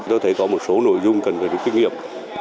tôi thấy có một số nội dung cần phải rút kinh nghiệm